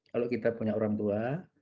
kalau kita punya orang tua